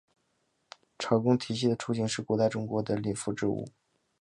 朝贡体系的雏形是古代中国的畿服制度。